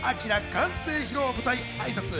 完成披露舞台挨拶。